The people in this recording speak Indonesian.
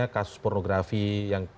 kasus pornografi yang